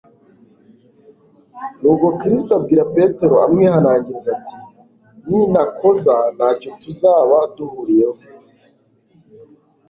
Nuko Kristo abwira Petero amwihanangiriza ati: "Nintakoza ntacyo tuzaba duhuriyeho."